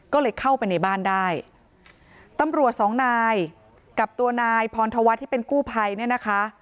ก็เลยเข้าไปในบ้านได้ตำรวจสองนายกับตัวนายพรธวัฒน์ที่เป็นกู้ภัยเนี่ยนะคะ